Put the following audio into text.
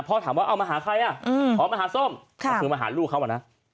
พ่อถามว่าเอามาหาใครอ๋อมาหาส้มคือมาหาลูกเขา